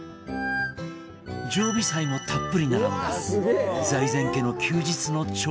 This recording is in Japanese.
常備菜もたっぷり並んだ財前家の休日の朝食が完成